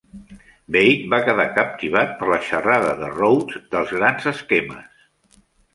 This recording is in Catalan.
Beit va quedar captivat per la xerrada de Rhodes dels "grans esquemes".